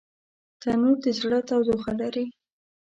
تنور د زړه تودوخه لري